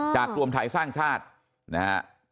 รวมไทยสร้างชาตินะฮะ